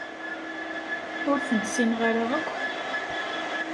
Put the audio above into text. Ur tent-ssineɣ ara akk.